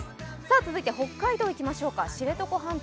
続いて北海道いきましょうか、知床半島。